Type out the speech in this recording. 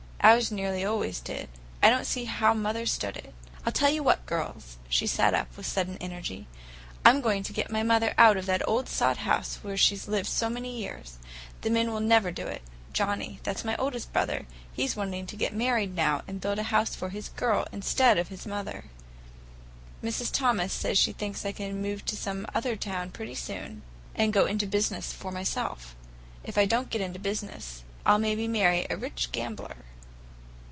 Ours nearly always did. I don't see how mother stood it. I tell you what girls," she sat up with sudden energy; "I'm going to get my mother out of that old sod house where she's lived so many years. The men will never do it. Johnnie, that's my oldest brother, he's wanting to get married now, and build a house for his girl instead of his mother. Mrs. Thomas says she thinks I can move to some other town pretty soon, and go into business for myself. If I don't get into business, I'll maybe marry a rich gambler."